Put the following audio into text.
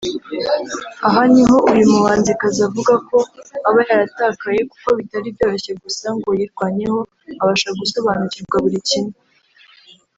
Aha niho uyu muhanzikazi avuga ko aba yaratakaye kuko bitari byoroshye gusa ngo yirwanyeho abasha gusobanukirwa buri kimwe